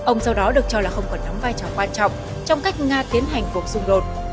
ông sau đó được cho là không còn nắm vai trò quan trọng trong cách nga tiến hành cuộc dung lột